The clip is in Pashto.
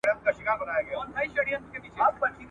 اوسۍ څنګه ترې زده کړئ دا هنر دئ